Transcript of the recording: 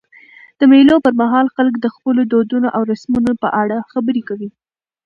د مېلو پر مهال خلک د خپلو دودونو او رسمونو په اړه خبري کوي.